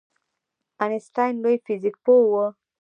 آینسټاین لوی فزیک پوه و